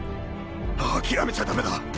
諦めちゃダメだ。